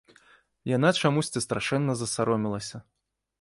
Яна чамусьці страшэнна засаромелася.